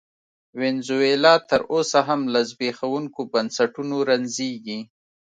وینزویلا تر اوسه هم له زبېښونکو بنسټونو رنځېږي.